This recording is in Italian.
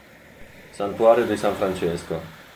Santuario di San Francesco